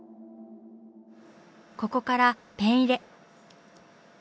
ここからペン入れ。